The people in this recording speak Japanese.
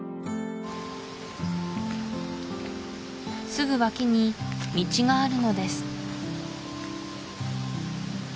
すぐ脇に道があるのです